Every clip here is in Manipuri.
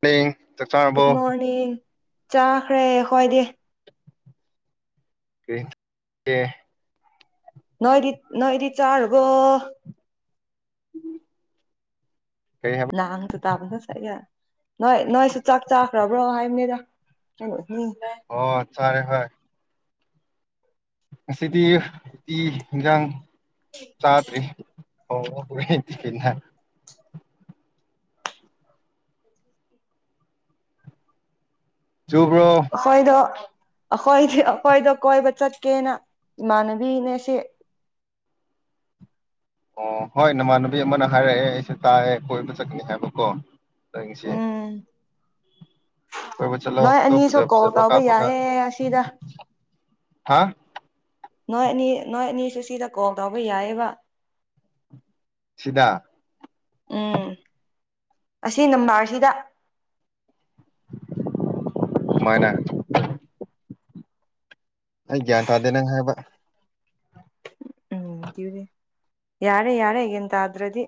ꯍꯌꯦꯡ ꯆꯥꯛ ꯆꯥꯔꯕꯣ ꯒꯨꯗ ꯃꯣꯔꯅꯤꯡ ꯆꯥꯈ꯭ꯔꯦ ꯑꯈꯣꯏꯗꯤ ꯀꯦ ꯀꯦ ꯅꯣꯏꯒꯤꯠ ꯅꯣꯏꯗꯤ ꯆꯥꯔꯕꯣ [inaudible] ꯀꯔꯤ ꯍꯥꯏꯕ [unintelligible] ꯅꯣꯏ ꯅꯣꯏꯁꯨ ꯆꯥꯛ ꯆꯥꯈ꯭ꯔꯕ꯭ꯔꯣ ꯍꯥꯢꯝꯅꯦꯗ [unintelligible] ꯑꯣ ꯆꯥꯔꯦ ꯍꯣꯏ ꯉꯁꯤꯗꯤ ꯎꯇꯤ ꯍꯤꯟꯖꯥꯡ ꯆꯥꯗ꯭ꯔꯤ ꯑꯣ [unintelligible] ꯆꯨꯕ꯭ꯔꯣ ꯑꯈꯣꯢꯗꯣ ꯑꯈꯣꯏꯗꯤ ꯑꯈꯣꯏꯗ ꯀꯣꯏꯕ ꯆꯠꯀꯦꯅ ꯏꯃꯥꯟꯅꯕꯤꯅꯦ ꯁꯤ ꯑꯣ ꯍꯣꯏ ꯅꯃꯥꯟꯅꯕꯤ ꯑꯃꯅ ꯍꯥꯏꯔꯛꯑꯦ ꯑꯩꯁꯦ ꯇꯥꯏꯌꯦ ꯀꯣꯏꯕ ꯆꯠꯀꯅꯤ ꯍꯥꯏꯕꯀꯣ ꯅꯪꯉꯤꯁꯤ ꯎꯝ ꯀꯣꯏꯕ ꯆꯠꯂꯣ ꯅꯣꯏ ꯐꯣꯇꯣ ꯑꯅꯤꯁꯨ ꯐꯖ ꯀꯣꯜ ꯐꯖꯕ ꯇꯧꯕ ꯀꯥꯞꯄꯒ ꯌꯥꯏꯌꯦ ꯑꯁꯤꯗ ꯍꯥ ꯅꯣꯏ ꯑꯅꯤ ꯅꯣꯏ ꯑꯅꯤꯁꯨ ꯁꯤꯗ ꯀꯣꯜ ꯇꯧꯕ ꯌꯥꯏꯌꯦꯕ ꯁꯤꯗꯥ ꯎꯝ ꯑꯁꯤ ꯅꯝꯕꯥꯔꯁꯤꯗ [inaudible] ꯀꯃꯥꯏꯅꯥ ꯑꯩ ꯒ꯭ꯌꯥꯟ ꯇꯥꯗꯦ ꯅꯪ ꯍꯥꯏꯕ ꯎꯝ ꯇ꯭ꯌꯨꯗꯦ ꯌꯥꯔꯦ ꯌꯥꯔꯦ ꯒ꯭ꯌꯥꯟ ꯇꯥꯗ꯭ꯔꯗꯤ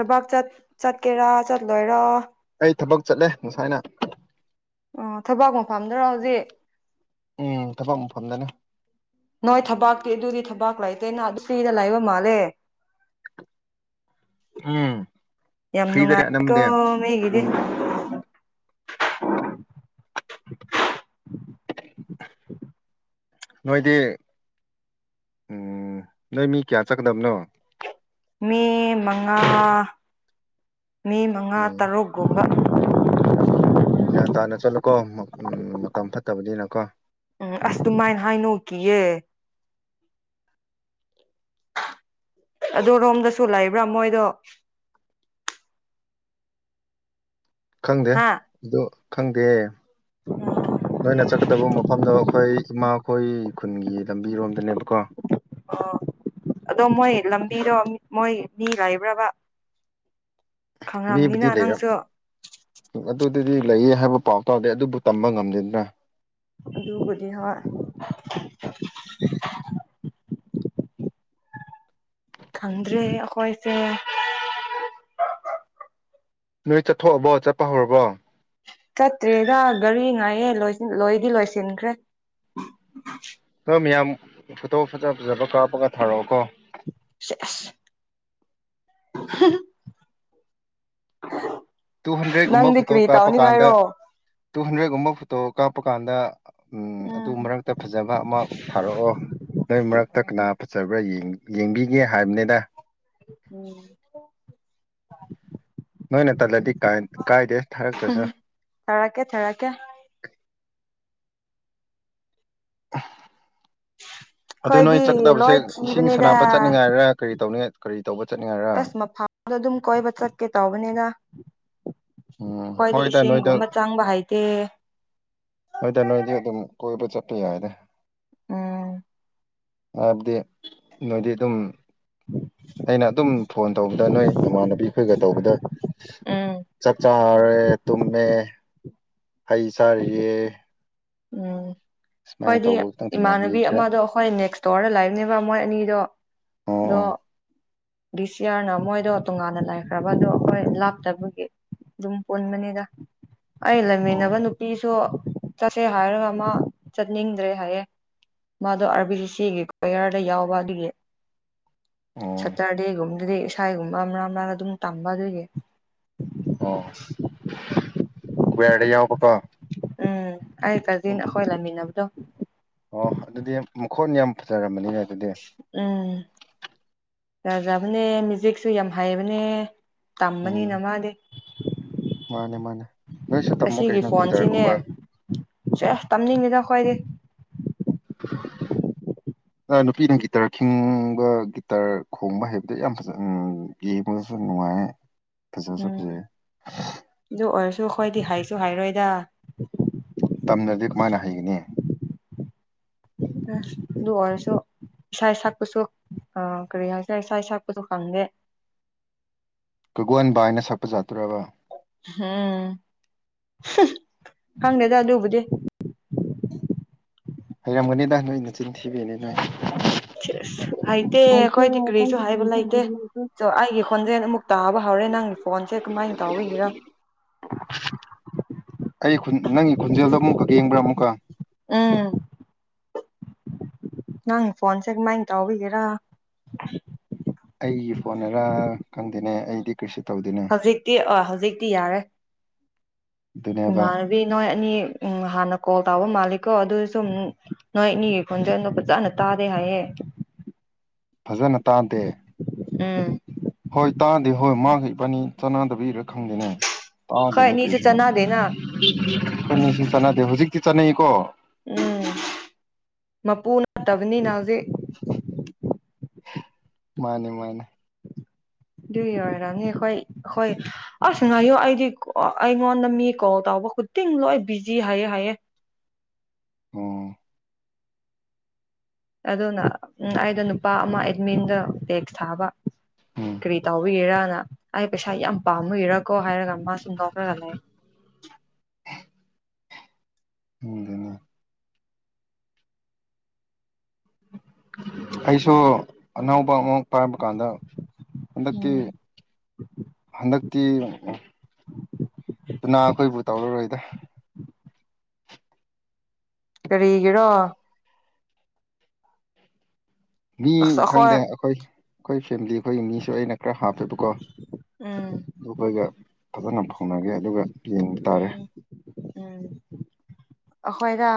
ꯊꯕꯛ ꯆꯠ ꯆꯠꯀꯦꯔꯥ ꯆꯠꯂꯣꯏꯔꯣ ꯑꯩ ꯊꯕꯛ ꯆꯠꯂꯦ ꯉꯁꯥꯏꯅ ꯑꯣ ꯊꯕꯛ ꯃꯐꯝꯗꯔꯣ ꯍꯧꯖꯤꯛ ꯎꯝ ꯊꯕꯛ ꯃꯐꯝꯗꯅꯦ ꯅꯣꯏ ꯊꯕꯛꯇꯤ ꯑꯗꯨꯗꯤ ꯊꯕꯛ ꯂꯩꯇꯦꯅꯥ [unintelligible] ꯐꯔ꯭ꯤꯗ ꯂꯩꯕ ꯃꯥꯜꯂꯦ [inaudible] ꯎꯝ ꯌꯥꯝ ꯐ꯭ꯔꯤꯗꯅꯦ ꯅꯨꯡꯉꯥꯏ ꯀꯣ ꯑꯅꯝꯕꯗꯤ ꯃꯤꯒꯤꯗꯤ [inaudible] ꯅꯣꯏꯗꯤ ꯎꯝ ꯅꯣꯏ ꯃꯤ ꯀꯌꯥ ꯆꯠꯀꯗꯕꯅꯣ ꯃꯤ ꯃꯉꯥ ꯃꯤ ꯃꯉꯥ ꯎꯝ ꯇꯔꯨꯛꯒꯨꯝꯕ ꯒ꯭ꯌꯥꯟ ꯇꯥꯅ ꯆꯠꯂꯣꯀꯣ ꯃ ꯎꯝ ꯃꯇꯝ ꯐꯠꯇꯕꯅꯤꯅꯀꯣ ꯎꯝ ꯑꯁ ꯑꯗꯨꯃꯥꯏꯅ ꯍꯥꯏꯅꯨ ꯀꯤꯌꯦ ꯑꯗꯨꯔꯣꯝꯗꯁꯨ ꯂꯩꯕ꯭ꯔꯥ ꯃꯣꯏꯗꯣ ꯈꯪꯗꯦ ꯍꯥ ꯑꯗꯣ ꯈꯪꯗꯦ ꯅꯣꯏꯅ ꯆꯠꯀꯗꯕ ꯃꯐꯝꯗꯣ ꯑꯩꯈꯣꯏ ꯏꯃꯥꯈꯣꯏ ꯈꯨꯟꯒꯤ ꯂꯝꯕꯤꯔꯣꯝꯗꯅꯦꯕꯀꯣ ꯑꯣ ꯑꯗꯣ ꯃꯣꯏ ꯂꯝꯕꯤꯗꯣ ꯃꯣꯏ ꯃꯤ ꯂꯩꯥꯕ꯭ꯔꯕꯥ ꯃꯤꯕꯨꯗꯤ ꯂꯩꯔꯝ [unintelligible] ꯑꯗꯨ ꯑꯗꯨꯗꯤ ꯂꯩꯌꯦ ꯍꯥꯏꯕ ꯄꯥꯎ ꯇꯥꯗꯦ ꯑꯗꯨꯕꯨ ꯇꯝꯕ ꯉꯝꯗꯦꯗꯅ ꯑꯗꯨꯕꯨꯗꯤ ꯍꯣꯏ ꯈꯪꯗ꯭ꯔꯦ ꯍꯦ ꯑꯈꯣꯏꯁꯦ ꯅꯣꯏ ꯆꯠꯊꯣꯛꯑꯕꯣ ꯆꯠꯄ ꯍꯧꯔꯕꯣ ꯆꯠꯇ꯭ꯔꯦꯗꯥ ꯒꯥꯔꯤ ꯉꯥꯏꯑꯦ ꯂꯣꯏꯁꯤꯟ ꯂꯣꯏꯗꯤ ꯂꯣꯏꯁꯤꯟꯈ꯭ꯔꯦ [inaudible] [unintelligible] ꯃꯌꯥꯝ ꯐꯣꯇꯣ ꯐꯖ ꯐꯖꯕ ꯀꯥꯞꯄꯒ ꯊꯥꯔꯛꯑꯣ ꯀꯣ ꯁꯦꯁ [unintelligible] ꯇꯨ ꯍꯟꯗ꯭ꯔꯦꯠꯒꯨꯝꯕ ꯐꯣꯇꯣ ꯀꯥꯞꯄ ꯀꯥꯟꯗ ꯇꯨ ꯍꯟꯗ꯭ꯔꯦꯠꯒꯨꯝꯕ ꯐꯣꯇꯣ ꯀꯥꯞꯄ ꯀꯥꯟꯗ ꯑ ꯎꯝ ꯑꯗꯨ ꯃꯔꯛꯇ ꯐꯖꯕ ꯑꯃ ꯊꯥꯔꯛꯑꯣ ꯅꯣꯏ ꯃꯔꯛꯇ ꯀꯅꯥ ꯐꯖꯕ꯭ꯔꯥ ꯌꯦꯡ ꯌꯦꯡꯕꯤꯒꯦ ꯍꯥꯏꯕꯅꯦꯗꯥ ꯎꯝ ꯅꯣꯏꯅ ꯇꯜꯂꯗꯤ ꯀꯥꯏ ꯀꯥꯏꯗꯦ ꯊꯥꯔꯛꯇ꯭ꯔꯁꯨ ꯊꯥꯔꯛꯀꯦ ꯊꯥꯔꯛꯀꯦ [unintelligible] [inaudible] ꯑꯗꯣ ꯅꯣꯏ ꯆꯠꯀꯗꯕꯁꯦ ꯂꯣꯏ ꯏꯁꯤꯡ ꯊꯤꯕꯅꯤꯗ ꯁꯅꯥꯕ ꯆꯠꯅꯤꯡꯉꯥꯏꯔꯥ ꯀꯔꯤ ꯇꯧꯅꯤꯉꯥꯏ ꯀꯔꯤ ꯇꯧꯕ ꯆꯠꯅꯤꯡꯉꯥꯏꯔ ꯑꯁ ꯃꯐꯝꯗꯣ ꯑꯗꯨꯝ ꯀꯣꯏꯕ ꯆꯠꯀꯦ ꯇꯥꯎꯕꯅꯦꯗꯥ ꯎꯝ ꯍꯣꯏꯗꯥ ꯏꯁꯤꯡꯒꯨꯝꯕ ꯂꯣꯏꯗꯛ ꯆꯪꯕ ꯍꯩꯇꯦ ꯍꯣꯏꯗꯥ ꯅꯣꯏꯗꯤ ꯑꯗꯨꯝ ꯀꯣꯏꯕ ꯆꯠꯄ ꯌꯥꯏꯗ ꯎꯝ ꯑꯗꯤ ꯅꯣꯏꯗꯤ ꯑꯗꯨꯝ ꯑꯩꯅ ꯑꯗꯨꯝ ꯐꯣꯟ ꯇꯧꯕꯗ ꯅꯣꯏ ꯅꯃꯥꯟꯅꯕꯤ ꯈꯣꯏꯒ ꯇꯧꯕꯗ ꯎꯝ [unintelligible] ꯆꯥꯛ ꯆꯥ ꯆꯥꯔꯦ ꯇꯨꯝꯃꯦ ꯍꯩ ꯁꯥꯔꯤꯌꯦ ꯎꯝ ꯈꯣꯏꯗꯤ ꯈꯤꯇꯪ ꯊꯦꯡꯅꯕꯤ ꯏꯃꯥꯟꯅꯕꯤ ꯈꯔ ꯑꯃꯗꯣ ꯑꯈꯣꯏ ꯅꯦꯛꯁ ꯇꯣꯔꯗ ꯂꯩꯕꯅꯦꯕꯥ ꯃꯣꯏ ꯑꯅꯤꯗꯣ ꯗꯣ ꯑꯣ ꯗꯤꯁ ꯌ꯭ꯔꯅ ꯃꯣꯏꯗꯣ ꯇꯣꯉꯥꯟꯅ ꯂꯩꯈ꯭ꯔꯕ ꯗꯣ ꯑꯈꯣꯏ ꯂꯥꯞꯇꯕꯒꯤ ꯗꯨꯝ ꯄꯨꯟꯕꯅꯦꯗꯥ ꯑꯩ ꯑꯣ ꯂꯩꯃꯤꯟꯅꯕ ꯅꯨꯄꯤꯁꯨ ꯁꯦ ꯍꯥꯏꯔꯒ ꯃꯥ ꯆꯠꯅꯤꯡꯗ꯭ꯔꯦ ꯍꯥꯏꯌꯦ ꯃꯥꯗꯣ ꯑꯥꯔ ꯕꯤ ꯁꯤ ꯁꯤ ꯒꯤ ꯀꯣꯌꯔꯗ ꯌꯥꯎꯕ ꯑꯗꯨꯒꯤ ꯑꯣ ꯁꯇꯔꯗꯦꯒꯨꯝꯗꯗꯤ ꯏꯁꯩꯒꯨꯝꯕ ꯃꯔꯛ ꯃꯔꯛ ꯑꯗꯨꯝ ꯇꯝꯕ ꯑꯗꯨꯒꯤ ꯑꯣ [unintelligible] ꯌꯥꯎꯕ ꯀꯣ ꯎꯝ ꯑꯩ ꯀꯖꯤꯟ ꯑꯈꯣꯏ ꯂꯩꯃꯤꯟꯅꯕꯗꯣ ꯑꯣ ꯑꯗꯨꯗꯤ ꯃꯈꯣꯟ ꯌꯥꯝ ꯐꯖꯔꯝꯕꯅꯤꯅꯦ ꯑꯗꯨꯗꯤ ꯎꯝ ꯐꯖꯕꯅꯦ ꯃꯤꯖ꯭ꯋꯤꯛꯁꯨ ꯌꯥꯝ ꯍꯩꯏꯕꯅꯦ ꯎꯝ ꯇꯝꯕꯅꯤꯅ ꯃꯥꯗꯤ ꯃꯥꯅꯦ ꯃꯥꯅꯦ ꯅꯣꯏꯁꯨ ꯇꯝꯃꯣ ꯑꯁꯤꯒꯤ ꯀꯩꯅꯣ ꯐꯣꯟꯁꯤꯅꯦ ꯒꯤꯇꯔꯒꯨꯝꯕ [unintelligible] ꯇꯝꯅꯤꯡꯗꯦꯗ ꯑꯈꯣꯏꯗꯤ [inaudible] ꯅꯨꯄꯤꯅ ꯒꯤꯇꯔ ꯈꯤꯡꯕ ꯒꯤꯇꯔ ꯈꯣꯡꯕ ꯍꯩꯕꯗꯣ ꯌꯥꯝ ꯐꯖꯕꯅꯤ ꯌꯦꯡꯕꯗꯁꯨ ꯅꯨꯡꯉꯥꯏ ꯐꯖꯁꯨ ꯎꯝ ꯐꯖꯩ ꯑꯗꯨ ꯑꯣꯏꯔꯁꯨ ꯈꯣꯏꯗꯤ ꯍꯩ ꯨ ꯍꯥꯏꯔꯣꯏꯗ ꯇꯝꯗꯗꯤ ꯀꯃꯥꯏꯅ ꯍꯩꯒꯅꯤ [unintelligible] ꯑꯗꯨ ꯑꯣꯏꯔꯁꯨ ꯏꯁꯩ ꯁꯛꯄꯁꯨ ꯑ ꯀꯔꯤ ꯍꯥꯏꯁꯤꯔ ꯏꯁꯩ ꯏꯁꯩ ꯁꯛꯄꯁꯨ ꯈꯪꯗꯦ ꯀꯒꯣꯟ ꯕꯥꯏꯅ ꯁꯛꯄ ꯖꯥꯠꯇꯨꯔꯕ [unintelligible] ꯈꯪꯗꯦꯗ ꯑꯗꯨꯕꯨꯗꯤ ꯍꯩꯔꯝꯒꯅꯤꯗ ꯅꯣꯏ ꯅꯆꯤꯟ ꯊꯤꯕꯩꯅꯤ ꯅꯣꯏ [unintelligible] ꯍꯩꯇꯦ ꯑꯈꯣꯏ ꯗꯤ ꯀꯔꯤꯁꯨ ꯍꯩꯕ ꯂꯩꯇꯦ ꯑꯩꯒꯤ ꯈꯣꯟꯖꯦꯜ ꯑꯃꯨꯛ ꯇꯥꯕ ꯍꯧꯔꯦ‌‌ ꯅꯪ ꯅꯪꯒꯤ ꯐꯣꯟꯁꯦ ꯀꯃꯥꯏꯅ ꯇꯥꯎꯕꯒꯤꯔ ꯑꯩ ꯈꯨꯟ ꯅꯪꯒꯤ ꯈꯨꯟꯖꯦꯜꯗꯣ ꯑꯃꯨꯛꯀ ꯌꯦꯡꯕ꯭ꯔ ꯑꯃꯨꯛꯀ ꯎꯝ ꯅꯪꯒꯤ ꯐꯣꯟꯁꯦ ꯀꯃꯥꯏꯅ ꯇꯥꯎꯕꯤꯒꯤꯔ ꯑꯩꯒꯤ ꯐꯣꯟꯅꯔ ꯈꯪꯗꯦꯅꯦ ꯑꯩꯗꯤ ꯀꯩꯁꯨ ꯇꯧꯗꯦꯅꯦ ꯍꯧꯖꯤꯛꯇꯤ ꯑ ꯍꯧꯖꯤꯛꯇꯤ ꯌꯥꯔꯦ ꯑꯗꯨꯅꯦꯕ ꯏꯃꯥꯟꯅꯕꯤ ꯅꯣꯏ ꯑꯅꯤ ꯎꯝ ꯍꯥꯟꯅ ꯀꯣꯜ ꯇꯧꯕ ꯃꯥꯜꯂꯦꯀꯣ ꯑꯗꯨꯁꯨꯃꯨꯛ ꯅꯣꯏꯅꯤꯒꯤ ꯈꯣꯟꯖꯦꯜꯗꯨ ꯐꯖꯅ ꯇꯥꯗꯦ ꯍꯥꯏꯌꯦ [inaudible] ꯐꯖꯅ ꯇꯥꯗꯦ ꯎꯝ ꯍꯣꯏ ꯇꯥꯗꯦ ꯍꯣꯏ ꯃꯥꯥꯒ ꯏꯕꯥꯅꯤ ꯆꯥꯅꯗꯕꯩꯔ ꯈꯪꯗꯦꯅꯦ ꯈꯣꯏ ꯇꯥꯗꯦꯅꯦ ꯑꯅꯤꯁꯨ ꯀꯔꯤꯁꯨ ꯆꯥꯟꯅꯗꯦꯅ ꯑꯈꯣꯏꯅꯤꯁꯨ [unintelligible] ꯍꯧꯖꯤꯛ [unintelligible] ꯆꯅꯩ ꯀꯣ ꯎꯝ ꯃꯄꯨ ꯅꯠꯇꯕꯅꯤꯅ ꯍꯧꯖꯤꯛ ꯃꯥꯅꯤ ꯃꯥꯅꯤ ꯑꯗꯨꯒꯤ ꯑꯣꯏꯔꯝꯅꯤ ꯑꯈꯣꯏ ꯍꯣꯏ ꯑꯁ ꯉꯥꯏꯌꫭ ꯑꯩꯗꯤ ꯑꯩꯉꯣꯟꯗ ꯃꯤ ꯀꯣꯜ ꯇꯧ [unintelligible] ꯂꯣꯏ ꯕꯤꯖꯤ ꯍꯥꯏꯌꯦ ꯍꯥꯏꯌꯦ ꯑꯣ ꯑꯗꯨꯅ ꯎꯝ ꯑꯩꯒ ꯅꯨꯄꯥ ꯑꯃ ꯑꯦꯠꯃꯤꯟꯗꯣ ꯇꯦꯛꯁ ꯊꯥꯕ ꯎꯝ ꯀꯔꯤ ꯇꯧꯕꯒꯤꯔꯅ ꯑꯩ ꯄꯩꯁꯥ ꯌꯥꯝ ꯄꯥꯝꯃꯨꯏꯔꯀꯣ ꯍꯥꯏꯔꯒ ꯃꯥꯁꯨꯨ ꯅꯣꯛꯔꯒ ꯂꯩ ꯈꯪꯗꯦꯅꯦ ꯑꯩꯁꯨ ꯑꯅꯧ [unintelligible] ꯄꯥꯏꯕ ꯀꯥꯟꯗ ꯍꯟꯗꯛꯇꯤ ꯎꯝ ꯍꯟꯗꯛ ꯇꯤ [unintelligible] ꯈꯣꯏꯕꯨ ꯇꯧꯔꯔꯣꯏꯗ ꯀꯔꯤꯒꯤꯔꯣ ꯃꯤ ꯈꯪꯗꯦ ꯑꯩꯈꯣꯏ ꯑꯩꯈꯣꯏ ꯐꯦꯝꯂꯤ ꯈꯣꯏꯒꯤ ꯃꯤꯁꯨ ꯑꯩꯅ ꯈꯔ ꯍꯥꯞꯄꯦꯕꯀꯣ ꯎꯝ ꯗꯨ ꯈꯣꯏꯒ ꯐꯖꯅ ꯐꯥꯎꯅꯒꯦ ꯑꯗꯨꯒ ꯌꯦꯡꯕ ꯇꯥꯔꯦ ꯎꯝ ꯎꯝ ꯑꯩꯈꯣꯏꯗ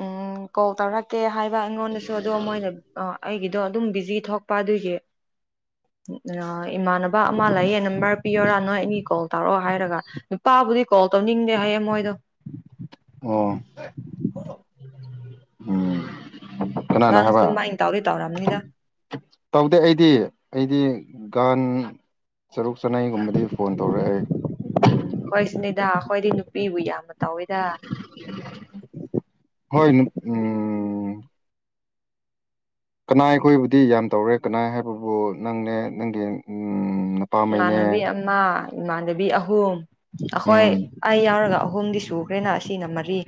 ꯎꯝ ꯀꯣꯜ ꯇꯧꯔꯛꯀꯦ ꯍꯥꯏ ꯕ ꯑꯩꯉꯣꯟꯗꯁꯨ ꯑꯗꯣ ꯃꯣꯏꯅ ꯑ ꯑꯩꯒꯤꯗꯣ ꯑꯗꯨꯝ ꯕꯤꯖꯤ ꯊꯣꯛꯄ ꯑꯗꯨꯒꯤ ꯏꯃꯥꯟꯅꯕ ꯑꯃ ꯂꯩꯌꯦ ꯅꯝꯕꯔ ꯄꯤꯌꯣꯔꯥ ꯅꯣꯏ ꯑꯅꯤ ꯀꯣꯜ ꯇꯧꯔꯛꯑꯣ ꯍꯥꯏꯔꯒ ꯅꯨꯄꯥ ꯃꯥꯥꯕꯨꯗꯤ ꯀꯣꯜ ꯇꯧꯅꯤꯡꯗꯦ ꯍꯥꯏꯌꯦ ꯃꯣꯏꯗꯣ ꯑꯣ ꯎꯝ ꯀꯅꯅꯥ ꯅꯪꯁꯨ ꯍꯥꯏꯕ ꯑꯗꯨꯃꯥꯏꯅ ꯇꯧꯗꯤ ꯇꯧꯔꯝꯅꯤꯗ ꯇꯧꯗꯦ ꯑꯩꯗꯤ ꯑꯩꯗꯤ ꯒꯥꯟ ꯆꯔꯨꯛ ꯆꯅꯩꯒꯨꯝꯕꯗꯤ ꯐꯣꯟ ꯇꯧꯔꯛꯑꯦ ꯎꯝ ꯍꯣꯏ ꯁꯤꯅꯤꯗꯥ ꯑꯩꯈꯣꯏꯗꯤ ꯅꯨꯄꯤꯕꯨ ꯌꯥꯝꯕ ꯍꯣꯏ ꯎꯝ ꯀꯅꯥ ꯑꯩꯈꯣꯏꯕꯨꯗꯤ ꯌꯥꯝ ꯇꯧꯔꯦ ꯀꯅꯥ ꯍꯥꯏꯕꯕꯨ ꯅꯪꯅꯦ ꯅꯪꯒꯤ ꯎꯝ ꯅꯄꯥꯝꯃꯩꯅꯦ ꯏꯃꯥꯟꯅꯕꯤ ꯑꯃ ꯏꯃꯥꯟꯅꯕꯤ ꯑꯍꯨꯝ ꯑꯩꯈꯣꯏ ꯎꯝ ꯑꯩ ꯌꯥꯎꯔꯒ ꯑ ꯍꯨꯝꯗꯤ ꯁꯨꯈ꯭ꯔꯦꯅ ꯁꯤꯅ ꯃꯔꯤ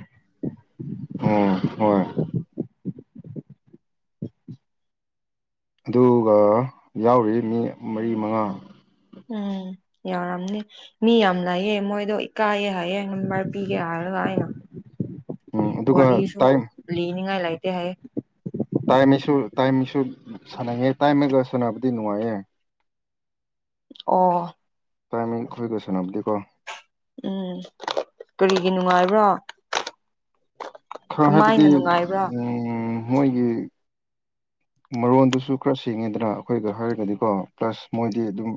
ꯑꯣ ꯍꯣꯏ ꯑꯗꯨꯒ ꯌꯥꯎꯔꯤ ꯃꯤ ꯃꯔꯤ ꯃꯉꯥ ꯎꯝ ꯌꯥꯎꯔꯝꯅꯤ ꯃꯤ ꯌꯥꯝ ꯂꯩꯌꯦ ꯃꯣꯏꯗꯣ ꯏꯀꯥꯏꯌꯦ ꯍꯥꯏꯌꯦ ꯅꯝꯕꯔ ꯄꯤꯒꯦ ꯍꯥꯏꯔꯒ ꯑꯩꯅ ꯎꯝ ꯑꯗꯨꯒ ꯋꯥꯔꯤꯁꯨ ꯇꯥꯏꯝ ꯂꯤꯅꯤꯉꯥꯏ ꯂꯩꯇꯦ ꯍꯥꯏꯌꯦ ꯇꯥꯏꯝꯃꯤꯁꯨ ꯇꯥꯏꯝꯃꯤꯁꯨ ꯁꯥꯟꯅꯩꯉꯦ ꯇꯥꯏꯝꯃꯤꯒ ꯁꯥꯟꯅꯕꯗꯤ ꯅꯨꯡꯉꯥꯏꯌꯦ ꯑꯣ ꯇꯥꯏꯃꯤꯡ ꯈꯣꯏꯒ ꯁꯥꯅꯕꯗꯤ ꯀꯣ ꯎꯝ ꯀꯔꯤꯒꯤ ꯅꯨꯡꯉꯥꯏꯕ꯭ꯔꯣ ꯈꯔ ꯍꯥꯏꯕꯗꯤ ꯀꯃꯥꯏꯅ ꯅꯨꯡꯉꯥꯏꯕ꯭ꯔꯣ ꯎꯝ ꯃꯣꯏꯒꯤ ꯃꯔꯣꯟꯗꯨꯁꯨ ꯈꯔ ꯁꯦꯡꯉꯤꯗꯅ ꯑꯩꯈꯣꯏꯒ ꯍꯥꯏꯔꯒꯗꯤꯀꯣ ꯄ꯭ꯂꯁ ꯃꯣꯏꯗꯤ ꯑꯗꯨꯝ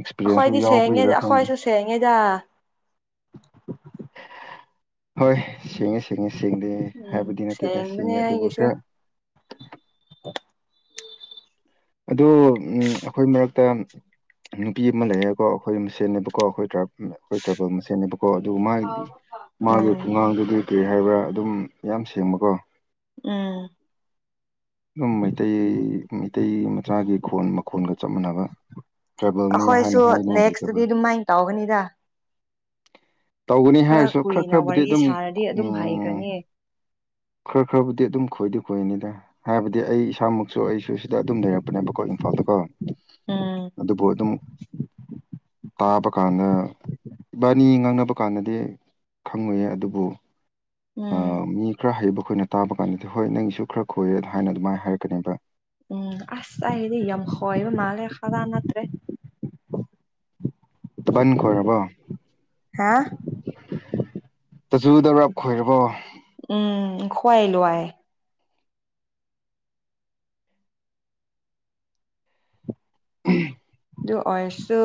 ꯑꯦꯛꯁꯄꯤꯔꯤꯌꯦꯟꯁꯁꯨ ꯑꯈꯣꯏꯗꯤ ꯁꯦꯡꯉꯦ ꯌꯥꯎꯕꯒꯤꯔꯥ ꯈꯪꯗꯦ ꯑꯈꯣꯏꯁꯨ ꯁꯦꯡꯉꯦꯗꯥ ꯍꯣꯏ ꯁꯦꯡꯉꯦ ꯁꯦꯡꯉꯦ ꯁꯦꯡꯗꯦ ꯎꯝ ꯍꯥꯏꯕꯗꯤ ꯅꯠꯇꯦꯗ ꯁꯦꯡꯕꯅꯦ ꯁꯦꯡꯉꯦ ꯑꯗꯨꯕꯨ ꯑꯩꯒꯤꯁꯨ ꯈꯔ [inaudible] ꯑꯗꯣ ꯎꯝ ꯑꯩꯈꯣꯏ ꯃꯔꯛꯇ ꯅꯨꯄꯤ ꯑꯃ ꯂꯩꯌꯦꯀꯣ ꯑꯩꯈꯣꯏ ꯃꯁꯦꯜꯅꯦꯕꯀꯣ ꯑꯈꯣꯏ ꯇ꯭ꯔꯥꯏꯕ ꯑꯈꯣꯏ ꯇ꯭ꯔꯥꯏꯕꯦꯜ ꯃꯁꯦꯟꯅꯦꯕꯀꯣ ꯀꯣ ꯑꯗꯨ ꯃꯥꯏ ꯃꯥꯒꯤ ꯎꯝ ꯈꯨꯡꯉꯥꯡꯗꯨꯗꯤ ꯀꯔꯤ ꯍꯥꯏꯕ꯭ꯔꯥ ꯑꯗꯨꯝ ꯌꯥꯝ ꯁꯦꯡꯕꯀꯣ ꯎꯝ ꯗꯨꯝ ꯃꯩꯇꯩ ꯃꯩ ꯇꯩ ꯃꯆꯥꯒꯤ ꯈꯣꯟ ꯃꯈꯣꯟꯒ ꯆꯞ ꯃꯥꯟꯅꯕ ꯇ꯭ꯔꯥꯏꯕꯦꯜꯅꯦ ꯍꯥꯏꯅ ꯑꯩꯈꯣꯏꯁꯨ ꯍꯥꯏꯅꯤꯡꯉꯥꯏ ꯂꯩꯇꯕ ꯅꯦꯛꯁꯇꯗꯤ ꯑꯗꯨꯃꯥꯏꯅ ꯇꯧꯒꯅꯤꯗ ꯇꯧꯒꯅꯤ ꯍꯥꯏꯔꯁꯨ ꯈꯔ ꯀꯨꯏꯅ ꯈꯔꯕꯨꯗꯤ ꯋꯥꯔꯤ ꯑꯗꯨꯝ ꯁꯥꯔꯗꯤ ꯑꯗꯨꯝ ꯎꯝ ꯍꯩꯈ꯭ꯔꯅꯤ ꯈꯔ ꯈꯔꯕꯨꯗꯤ ꯑꯗꯨꯝ ꯈꯣꯏꯗꯤ ꯍꯣꯏꯅꯤꯗ ꯍꯥꯏꯕꯗꯤ ꯑꯩ ꯏꯁꯥꯃꯛꯁꯨ ꯑꯩꯁꯨ ꯁꯤꯗ ꯑꯗꯨꯝ ꯂꯩꯔꯛꯄꯅꯦꯕꯀꯣ ꯏꯝꯐꯥꯜꯗꯀꯣ ꯎꯝ ꯑꯗꯨꯕꯨ ꯑꯗꯨꯝ ꯇꯥꯕ ꯀꯥꯟꯗ ꯏꯕꯥꯅꯤ ꯉꯥꯡꯅꯕ ꯀꯥꯟꯗꯗꯤ ꯈꯪꯉꯣꯏꯌꯦ ꯑꯗꯨꯕꯨ ꯑ ꯎꯝ ꯃꯤ ꯈꯔ ꯍꯩꯕ ꯈꯣꯏꯅ ꯇꯥꯕ ꯀꯥꯟꯗꯗꯤ ꯍꯣꯏ ꯅꯪꯒꯤꯁꯨ ꯈꯔ ꯈꯣꯏꯌꯦ ꯍꯥꯏꯅ ꯑꯗꯨꯃꯥꯏꯅ ꯍꯥꯏꯔꯛꯀꯅꯤꯕ ꯎꯝ ꯑꯁ ꯑꯩꯒꯤꯗꯤ ꯌꯥꯝ ꯈꯣꯏꯕ ꯃꯥꯜꯂꯦ ꯈꯥꯔ ꯅꯠꯇ꯭ꯔꯦ ꯇꯥꯗꯟ ꯈꯣꯏꯔꯕꯣ ꯍꯥ [unintelligible] ꯈꯣꯏꯔꯕꯣ ꯈꯣꯏ ꯂꯣꯏ ꯑ꯭ꯝ ꯑꯗꯨ ꯑꯣꯏꯔꯁꯨ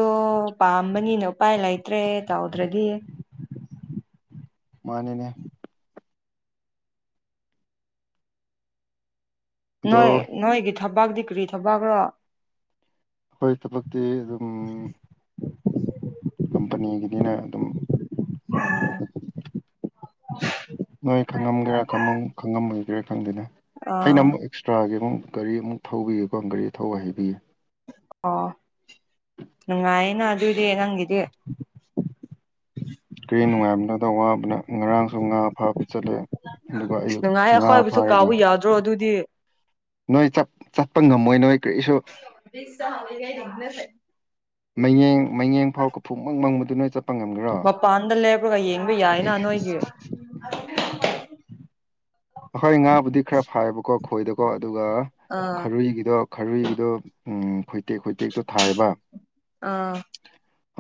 ꯄꯥꯝꯕꯅꯤꯅ ꯎꯄꯥꯏ ꯂꯩꯇ꯭ꯔꯦ ꯇꯧꯗ꯭ꯔꯗꯤ ꯃꯥꯅꯤꯅꯦ ꯅꯣꯏ ꯑꯗꯣ ꯅꯣꯏꯒꯤ ꯊꯕꯛꯇꯤ ꯀ꯭ꯔꯤ ꯊꯕꯛꯔꯣ ꯑꯈꯣꯏ ꯊꯕꯛꯇꯤ ꯗꯨꯝ ꯀꯝꯄꯅꯤꯒꯤꯅꯤꯅ ꯑꯗꯨꯝ [inaudible] ꯅꯣꯏ ꯈꯪꯉꯝꯒꯦꯔꯥ ꯈꯪꯉꯝ ꯈꯪꯉꯝꯃꯣꯏꯒꯦꯔꯥ ꯈꯪꯗꯦꯅꯦ ꯑꯩꯅ ꯑꯥ ꯑꯃꯨꯛ ꯑꯦꯛꯁꯇ꯭ꯔꯥ ꯌꯦꯡꯉꯣ ꯒꯥꯔꯤ ꯑꯃꯨꯛ ꯊꯧꯕꯤꯌꯦꯀꯣ ꯒꯥꯔꯤ ꯊꯧꯕ ꯍꯩꯕꯒꯤ ꯑꯣ ꯅꯨꯡꯉꯥꯏꯅ ꯑꯗꯨꯗꯤ ꯅꯪꯒꯤꯗꯤ ꯀ꯭ꯔꯤ ꯅꯨꯡꯉꯥꯏꯕꯅꯣꯗ ꯋꯥꯕꯅ ꯉꯔꯥꯡꯁꯨ ꯉꯥ ꯐꯥꯕ ꯆꯠꯂꯦ ꯑꯗꯨꯒ ꯁ ꯑꯌꯨꯛ ꯅꯨꯡꯉꯥꯏ ꯉꯥ ꯑꯈꯣꯏꯕꯨꯁꯨ ꯐꯥꯔꯒ ꯀꯥꯎꯕ ꯌꯥꯗ꯭ꯔꯣ ꯑꯗꯨꯗꯤ ꯅꯣꯏ ꯆꯠ ꯆꯠꯄ ꯉꯝꯃꯣꯏ ꯅꯣꯏ ꯀꯔꯤꯁꯨ [unintelligible] [unintelligible] ꯉꯝꯒꯦꯔꯣ ꯃꯄꯥꯟꯗ ꯂꯦꯞꯂꯔꯒ ꯌꯦꯡꯕ ꯌꯥꯏꯅ ꯅꯣꯏꯒꯤ ꯑꯈꯣꯏ ꯉꯥꯕꯨꯗꯤ ꯈꯔ ꯐꯥꯏꯕꯀꯣ ꯈꯣꯏꯗꯀꯣ ꯑꯗꯨꯒ ꯑꯥ ꯈꯔꯨꯏꯒꯤꯗꯣ ꯈꯔꯨꯏꯒꯤꯗꯣ ꯎꯝ ꯈꯣꯏꯇꯦꯛ ꯈꯣꯏꯇꯦꯛꯇꯣ ꯊꯥꯏꯌꯦꯕ ꯑꯥ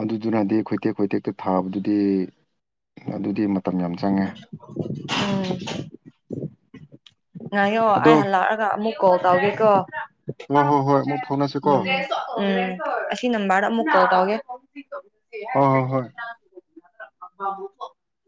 ꯑꯗꯨꯗꯨꯅꯗꯤ ꯈꯣꯏꯇꯦꯛ ꯈꯣꯏꯇꯦꯛꯇ ꯊꯥꯕꯗꯨꯗꯤ ꯑꯗꯨꯗꯤ ꯃ ꯎꯝ ꯉꯥꯏꯌꯣ ꯑꯗꯣ ꯑꯩ ꯍꯜꯂꯛꯑꯒ ꯑꯃꯨꯛ ꯀꯣꯜ ꯇꯧꯒꯦꯀꯣ ꯍꯣꯏ ꯍꯣꯏ ꯍꯣꯏ ꯑꯃꯨꯛ ꯐꯥꯎꯅꯁꯤꯀꯣ ꯎꯝ ꯎꯝ ꯑꯁꯤ ꯅꯝꯕ꯭ꯔꯗ ꯑꯃꯨꯛ ꯀꯣꯜ ꯇꯧꯒꯦ ꯍꯣꯍꯣ ꯍꯣꯏ [inaudible]